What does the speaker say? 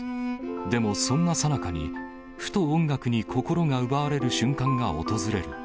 でも、そんなさなかに、ふと音楽に心が奪われる瞬間が訪れる。